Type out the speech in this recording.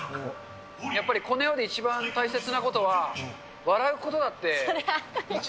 やっぱりこの世で一番大切なことは、笑うことだって。